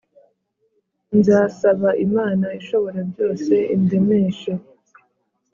Nzasaba Imana ishoborabyose indemeshe